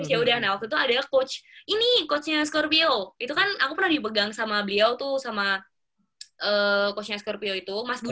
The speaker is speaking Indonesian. ya udah nah waktu itu ada coach ini coachnya scorbio itu kan aku pernah dipegang sama beliau tuh sama coachnya skorpio itu mas budi